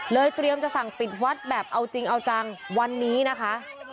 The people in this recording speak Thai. เตรียมจะสั่งปิดวัดแบบเอาจริงเอาจังวันนี้นะคะ